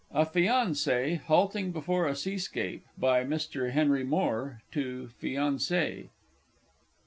_ A FIANCÉ (halting before a sea scape, by Mr. Henry Moore, to FIANCÉE).